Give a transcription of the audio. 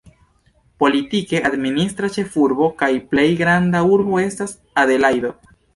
Politike administra ĉefurbo kaj plej granda urbo estas Adelajdo.